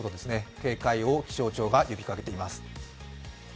警戒を気象庁が呼びかけています。